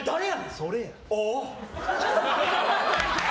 それや！